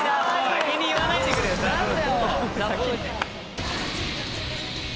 先に言わないでくれよ「ざぶーん」。